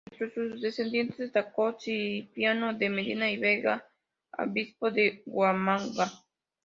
Entre sus descendientes destacó Cipriano de Medina y Vega, obispo de Huamanga.